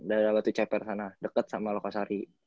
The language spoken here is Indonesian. daerah batu ceper sana deket sama lokasari